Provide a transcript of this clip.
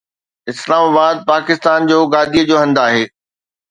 اسلام آباد پاڪستان جو گادي جو هنڌ آهي.